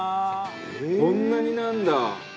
「こんなになるんだ！」